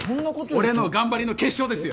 俺の頑張りの結晶ですよ